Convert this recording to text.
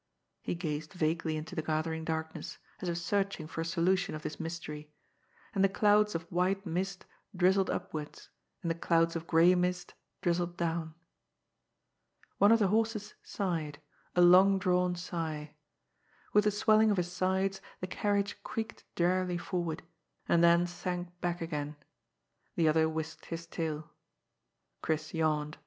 He gazed vaguely into the gathering darkness, as if searching for a solution of this mystery. And the clouds of white mist drizzled upwards, and the clouds of gray mist drizzled down. One of the horses sighed — ^a long drawn sigh. With the swelling of his sides the carriage creaked drearily for ward, and then sank back again. The other whisked his tail. Chris yawned.